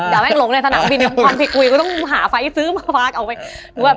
อย่าแม่งหลงในถนนมีหนึ่งความผิดกุยก็ต้องหาไฟซื้อมาพาออกไป